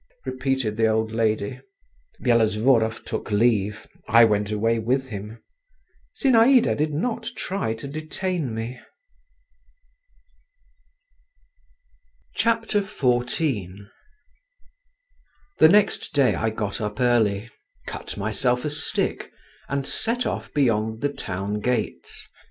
repeated the old lady. Byelovzorov took leave; I went away with him. Zinaïda did not try to detain me. XIV The next day I got up early, cut myself a stick, and set off beyond the town gates.